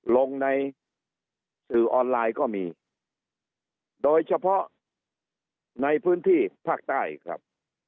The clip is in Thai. ลงในสื่อออนไลน์ก็มีโดยเฉพาะในพื้นที่ภาคใต้ครับ